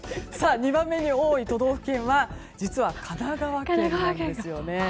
２番目に多い都道府県は実は神奈川県なんですよね。